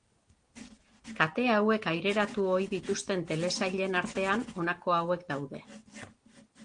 Kate hauek aireratu ohi dituzten telesailen artean honako hauek daude.